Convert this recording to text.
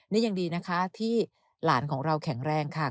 นี่ยังดีนะคะที่หลานของเราแข็งแรงค่ะ